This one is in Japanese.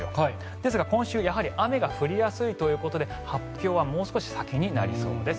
ですが今週は雨が降りやすいということで発表はもう少し先になりそうです。